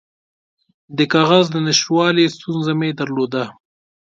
د کاغذ د نشتوالي ستونزه مې درلوده.